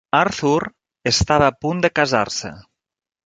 Arthur estava a punt de casar-se.